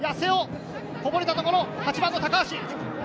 こぼれたところ、８番の高橋。